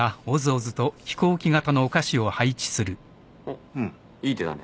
おっいい手だね。